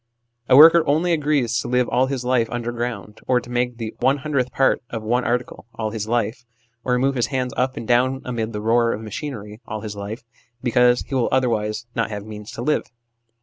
A worker only agrees to live all his life under ground, or to make the one hundredth part of one article all his life, or move his hands up and down amid the roar of machinery all his life, because he will otherwise not have means to live.